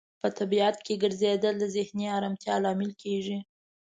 په طبیعت کې ګرځیدل د ذهني آرامتیا لامل کیږي.